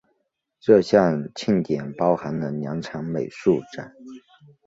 这项庆典包含了两场美术展。